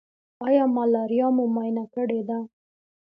ایا ملاریا مو معاینه کړې ده؟